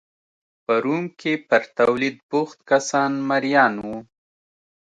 په روم کې پر تولید بوخت کسان مریان وو